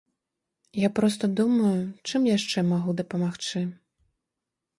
Я проста думаю, чым яшчэ магу дапамагчы.